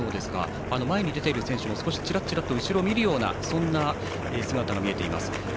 前に出ている選手もチラチラと少し後ろを見るようなそんな姿が見えています。